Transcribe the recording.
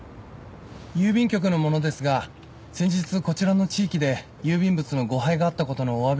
郵便局の者ですが先日こちらの地域で郵便物の誤配があったことのおわびとご報告に参りました。